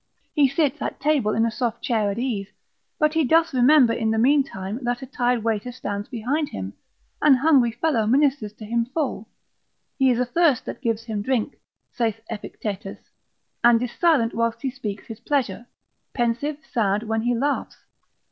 He sits at table in a soft chair at ease, but he doth remember in the mean time that a tired waiter stands behind him, an hungry fellow ministers to him full, he is athirst that gives him drink (saith Epictetus) and is silent whilst he speaks his pleasure: pensive, sad, when he laughs.